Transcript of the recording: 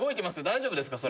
大丈夫ですか？